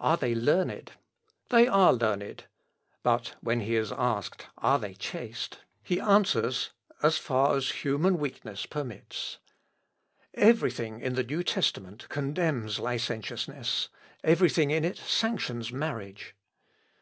Are they learned? They are learned. But when he is asked Are they chaste? he answers: As far as human weakness permits.' Everything in the New Testament condemns licentiousness: every thing in it sanctions marriage."